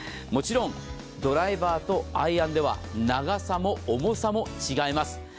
もちろんドライバーとアイアンでは長さも重さも違います。